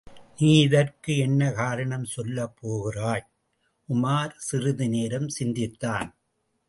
நீ இதற்கு என்ன காரணம் சொல்லப் போகிறாய்? உமார் சிறிது நேரம் சிந்தித்தான்.